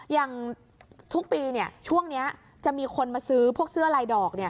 อย่างทุกปีช่วงนี้จะมีคนมาซื้อพวกเสื้อลายดอก